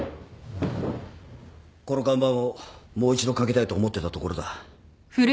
この看板をもう一度掛けたいと思ってたところだ